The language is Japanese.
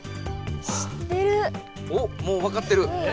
おっもうわかってる。